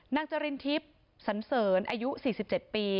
จรินทิพย์สันเสริญอายุ๔๗ปี